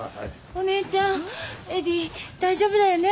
お姉ちゃんエディ大丈夫だよね？